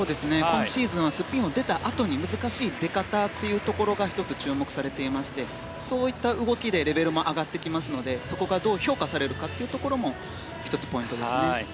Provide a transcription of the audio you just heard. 今シーズンはスピンを出たあとに難しい出方が１つ注目されていましてそういった動きでレベルも上がってきますのでそこがどう評価されるかも１つポイントですね。